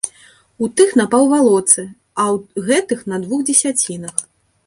У тых на паўвалоцы, а ў гэтых на двух дзесяцінах.